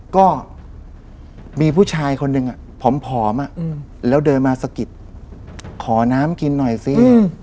ก็มีผู้ชายคนหนึ่งอ่ะผมผอมอ่ะอืมแล้วเดินมาสะกิดขอน้ำกินหน่อยสิอืม